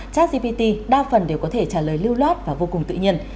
chắc gpt đa phần đều có thể trả lời lưu loát và vô cùng tự nhiên